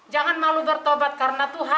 jangan malu bertobat karena tuhan